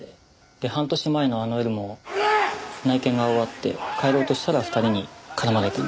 で半年前のあの夜も内見が終わって帰ろうとしたら２人に絡まれたんです。